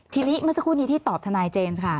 ทีนี้เมื่อสักครู่นี้ที่ตอบทนายเจนค่ะ